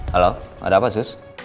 halo ada apa sus